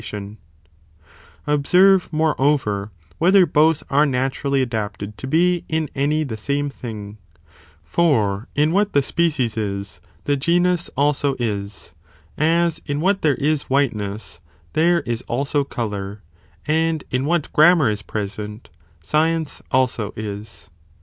ἡ μὰ, Genusangd _, OUSCFV&, Moreover, whether both are naturally species ought adapted to be 1n any the same thing, for in what το peinherent the species is, the genus also is, as in what there is whiteness, there is also colour, and in what grammar is present, science also is.